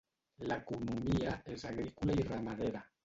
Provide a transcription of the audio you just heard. L'economia és agrícola i ramadera.